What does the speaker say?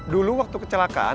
dulu waktu kecelakaan